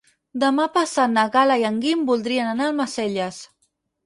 Demà passat na Gal·la i en Guim voldrien anar a Almacelles.